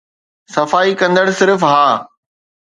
صفائي ڪندڙ صرف ها